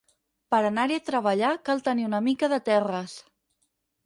Per anar-hi a treballar cal tenir una mica de terres.